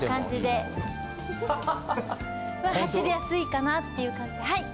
走りやすいかなっていうはい。